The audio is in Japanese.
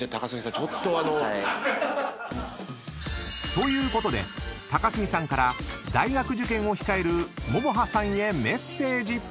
［ということで高杉さんから大学受験を控える杏羽さんへメッセージ］